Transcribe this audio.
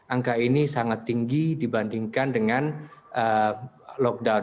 angka ini sangat tinggi dibandingkan dengan lockdown